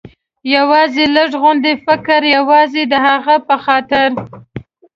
یوازې لږ غوندې فکر، یوازې د هغې په خاطر.